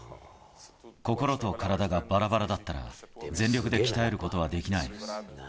心と体がばらばらだったら、全力で鍛えることはできない。